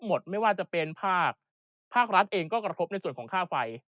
หมดไม่ว่าจะเป็นภาคภาครัฐเองก็กระทบในส่วนของค่าไฟ